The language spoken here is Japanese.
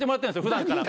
普段から。